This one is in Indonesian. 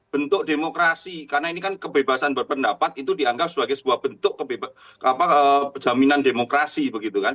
bentuk demokrasi karena ini kan kebebasan berpendapat itu dianggap sebagai sebuah bentuk kejaminan demokrasi